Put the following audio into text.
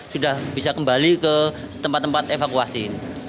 sudah bisa kembali ke tempat tempat evakuasi